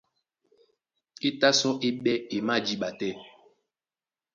E tá sɔ́ é ɓɛ́ e májǐɓa tɛ́.